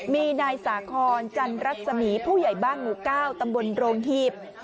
มีนายสาคอนจันรัศมีผู้ใหญ่บ้านหมู่๙ตำบลโรงหีบ